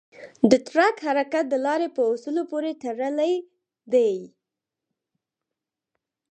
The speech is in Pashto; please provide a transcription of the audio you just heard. د ټرک حرکت د لارې په اصولو پورې تړلی دی.